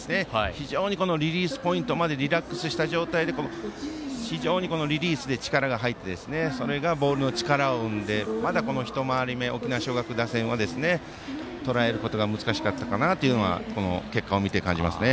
非常にリリースポイントまでリラックスした状態でリリースで力が入ってそれがボールの力を生んでまだ１回り目沖縄尚学打線は、とらえることは難しかったかなというのは結果を見て感じますね。